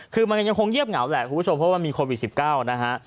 คือมันยังคงเงียบเหงาแหละคุณผู้ชมเพราะว่ามีโควิด๑๙นะฮะ